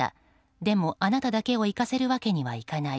でも、あなただけをいかせるわけにはいかない。